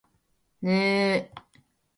北海道中富良野町